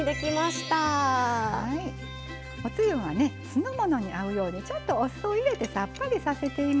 酢の物に合うようにちょっとお酢を入れてさっぱりさせています。